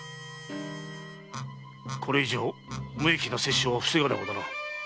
これ以上無益な殺生は防がねばならぬ。